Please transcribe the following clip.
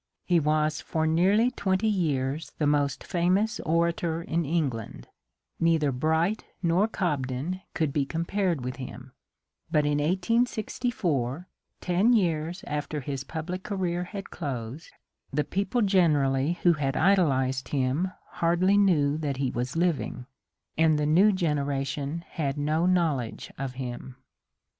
He was for nearly twenty years the most famous orator in England ; neither Bright nor Cobden could be compared with him ; but in 1864, ten years after his public career had closed, the people generally who had idol ized him hardly knew that he was living, and the new genera tion had no knowledge of him.